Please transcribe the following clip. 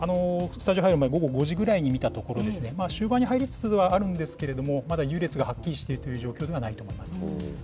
スタジオ入る前、午後５時くらいに見たところ、終盤に入りつつはあるんですけれども、まだ優劣がはっきりしているという状況ではないと思います。